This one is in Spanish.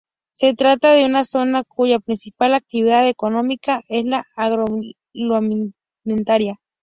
Se trata de una zona cuya principal actividad económica es la agroalimentaria.